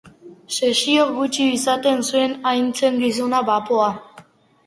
Sesio gutxi izaten zuen, hain zen gizona bapoa.